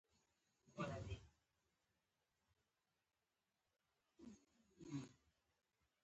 چاکلېټ د شوق خوند دی.